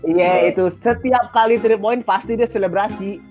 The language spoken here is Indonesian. iya itu setiap kali tiga point pasti dia selebrasi